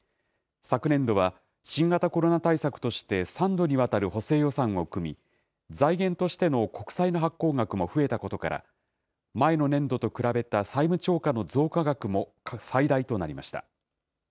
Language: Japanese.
昨年度は新型コロナ対策として３度にわたる補正予算を組み、財源としての国債の発行額も増えたことから、前の年度と比べた債務超過の増加額も最大となりました。